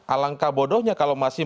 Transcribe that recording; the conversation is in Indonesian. alangkah bodohnya kalau masih